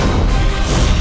aku mau kesana